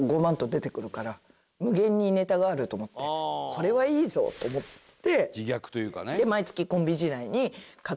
これはいいぞと思って。